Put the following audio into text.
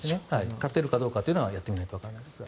勝てるかどうかというのはやってみないとわからないですが。